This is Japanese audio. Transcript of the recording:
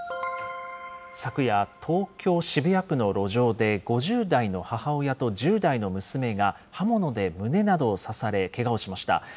昨夜、東京・渋谷区の路上で、５０代の母親と１０代の娘が刃物で胸などを刺され、けがをしました。